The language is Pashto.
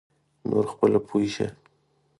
نور خپله پوی شه.